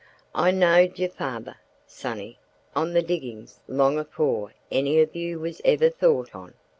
("I knowed yer father, sonny, on the diggings long afore any of you was ever thought on.")